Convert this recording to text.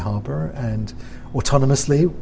dan berjalan dengan otomatis